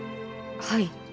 はい。